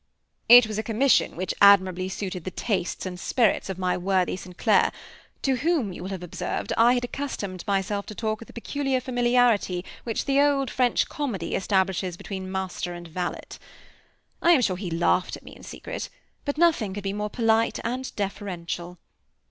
It was a commission which admirably suited the tastes and spirits of my worthy St. Clair, to whom, you will have observed, I had accustomed myself to talk with the peculiar familiarity which the old French comedy establishes between master and valet. I am sure he laughed at me in secret; but nothing could be more polite and deferential.